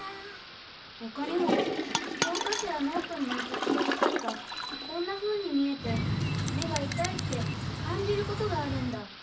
ほかにもきょうかしょやノートにあたったひかりがこんなふうにみえてめがいたいってかんじることがあるんだ。